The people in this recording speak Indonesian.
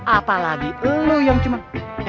apalagi lu yang cuman